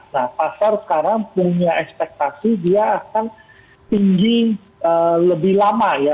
nah pasar sekarang punya ekspektasi dia akan tinggi lebih lama ya